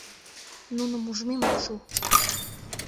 Нуным ужмем ок шу.